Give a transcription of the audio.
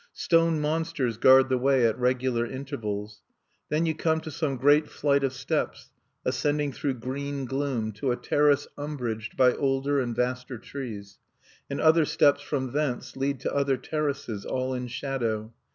Stone monsters guard the way at regular intervals. Then you come to some great flight of steps ascending through green gloom to a terrace umbraged by older and vaster trees; and other steps from thence lead to other terraces, all in shadow.